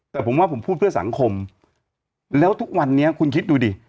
แต่ผมว่าผมพูดเพื่อสังคมแล้วทุกวันนี้คุณคิดดูดิ